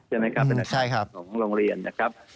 ใช่ไหมครับเป็นอาคารของโรงเรียนนะครับ